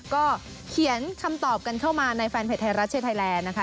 ก็เขียนคำตอบกันเข้ามาในแฟนเพจไทยรัฐเชียร์ไทยแลนด์นะคะ